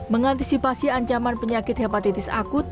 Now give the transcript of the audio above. mengantisipasi ancaman penyakit hepatitis akut